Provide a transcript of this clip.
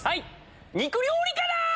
肉料理から！